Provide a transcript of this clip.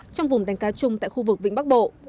trong vùng đánh cá chung tại khu vực vĩnh bắc bộ